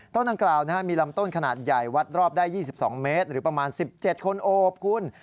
ต้นดังกล่าวมีลำต้นขนาดใหญ่วัดรอบได้๒๒เมตรหรือประมาณ๑๗คนโอบคุณ